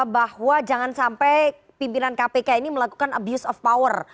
bahwa jangan sampai pimpinan kpk ini melakukan abuse of power